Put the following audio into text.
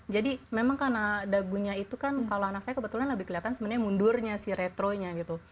jadi memang karena dagunya itu kan kalau anak saya kebetulan lebih kelihatan sebenarnya mundurnya sih retronya gitu